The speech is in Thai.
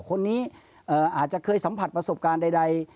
คนนี้อาจจะเคยสัมผัสประสบการณ์ใด